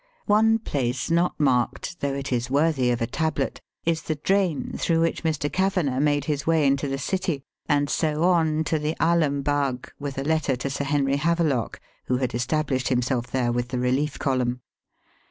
One place not marked, though it is worthy of a tablet, is the drain through which Mr. Kavanagh made his way into the city, and so on to the Alambagh, with a letter to Sir Henry Havelock, who had established himself there with the relief column.